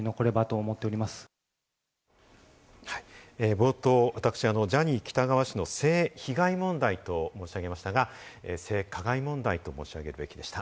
冒頭、私、ジャニー喜多川氏の性被害問題と申し上げましたが、性加害問題と申し上げるべきでした。